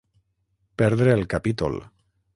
Perdre el capítol.